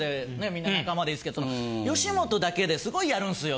みんな仲間でいいですけど吉本だけですごいやるんすよ